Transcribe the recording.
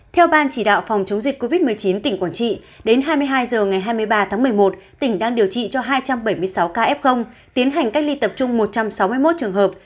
theo ban chỉ đạo phòng chống dịch covid một mươi chín tỉnh quảng trị đến hai mươi hai h ngày hai mươi ba tháng một mươi một tỉnh đang điều trị cho hai trăm bảy mươi sáu ca f tiến hành cách ly tập trung một trăm sáu mươi một trường hợp